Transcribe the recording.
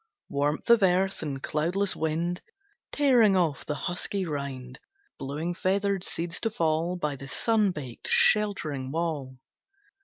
Warmth of earth, and cloudless wind Tearing off the husky rind, Blowing feathered seeds to fall By the sun baked, sheltering wall.